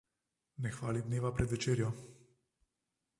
Ne hvali dneva pred večerjo.